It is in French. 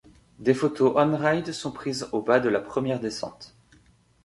Des photos On-ride sont prises au bas de la première descente.